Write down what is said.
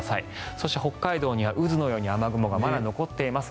そして北海道には渦のような雨雲がまだ残っています。